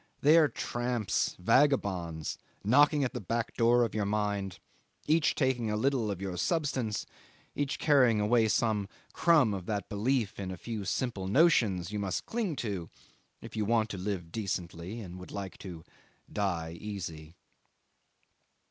They are tramps, vagabonds, knocking at the back door of your mind, each taking a little of your substance, each carrying away some crumb of that belief in a few simple notions you must cling to if you want to live decently and would like to die easy!